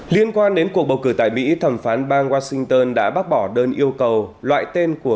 liên quan đến cuộc bầu cử tại mỹ thẩm phán bang washington đã bác bỏ đơn yêu cầu loại tên của